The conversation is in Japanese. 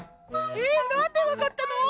えなんでわかったの？